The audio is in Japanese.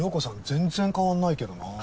全然変わんないけどなぁ。